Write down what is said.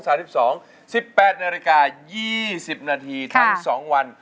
๑๘นาฬิกา๒๐นาทีทั้ง๒วัน